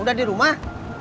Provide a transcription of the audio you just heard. udah di rumah